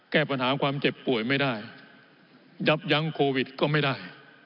แก้ปัญหาความเจ็บป่วยไม่ได้ยับยั้งโควิดก็ไม่ได้